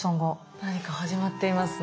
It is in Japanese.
何か始まっていますね。